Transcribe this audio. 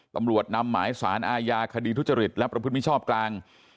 ตำรวจนำหมายสารอาญาคดีทุจริตและประพฤติมิชชอบกลาง